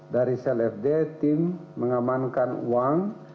dari sel fd tim mengamankan uang satu ratus tiga puluh sembilan